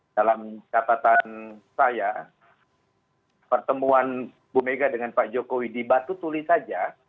dalam catatan saya pertemuan bu mega dengan pak jokowi di batu tuli saja